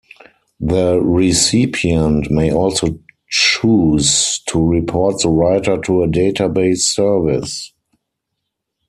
The recipient may also choose to report the writer to a database service.